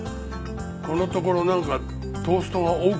このところなんかトーストが多くない？